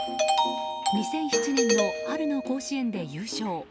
２００７年の春の甲子園で優勝。